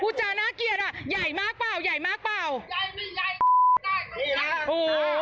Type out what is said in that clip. จาน่าเกลียดอ่ะใหญ่มากเปล่าใหญ่มากเปล่าใหญ่